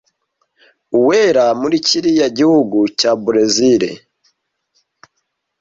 Uwera muri kiriya gihugu cya Berezile